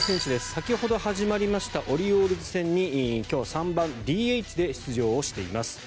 先ほど始まりましたオリオールズ戦に今日は３番ＤＨで出場をしています。